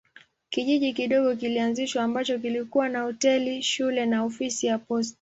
Kijiji kidogo kilianzishwa ambacho kilikuwa na hoteli, shule na ofisi ya posta.